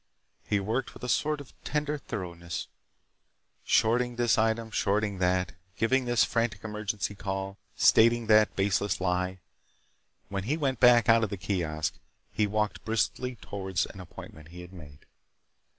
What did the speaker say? He worked with a sort of tender thoroughness, shorting this item, shorting that, giving this frantic emergency call, stating that baseless lie. When he went out of the kiosk he walked briskly toward an appointment he had made.